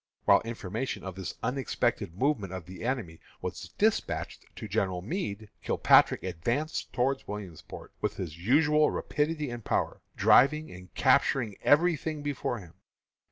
While information of this unexpected movement of the enemy was despatched to General Meade, Kilpatrick advanced towards Williamsport with his usual rapidity and power, driving and capturing every thing before him.